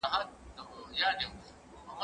دا انځور له هغه ښکلی دی،